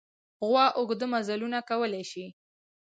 غوا اوږده مزلونه کولی شي.